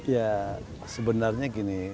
ya sebenarnya gini